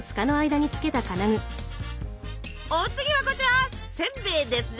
お次はこちらせんべいですぜ。